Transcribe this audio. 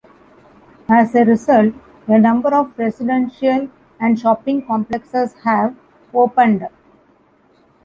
As a result, a number of residential and shopping complexes have opened.